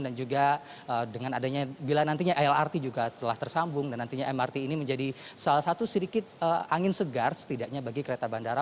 dan juga dengan adanya bila nantinya lrt juga telah tersambung dan nantinya mrt ini menjadi salah satu sedikit angin segar setidaknya bagi kereta bandara